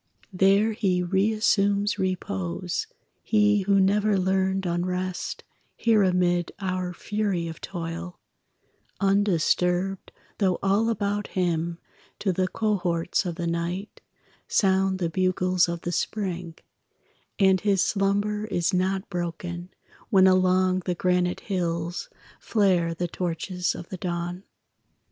There he reassumes repose, He who never learned unrest Here amid our fury of toil, Undisturbed though all about him To the cohorts of the night Sound the bugles of the spring; And his slumber is not broken When along the granite hills Flare the torches of the dawn.